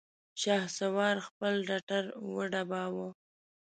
شهسوار خپل ټټر وډباوه!